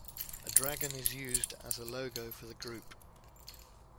A dragon is used as a logo for the group.